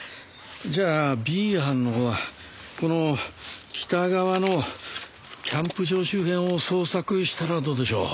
じゃあＢ班のほうはこの北側のキャンプ場周辺を捜索したらどうでしょう？